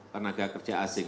tenaga kerja asing